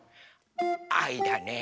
あいだね。